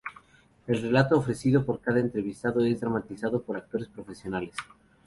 El relato ofrecido por cada entrevistado es dramatizado por actores profesionales.